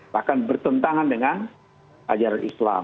bahkan bertentangan dengan ajaran islam